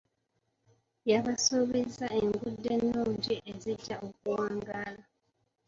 Yabasuubizza enguudo ennungi ezijja okuwangaala.